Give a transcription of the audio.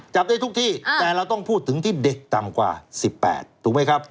จับได้ทุกที่แต่เราต้องพูดถึงที่เด็กต่ำกว่า๑๘ถูกไหมครับ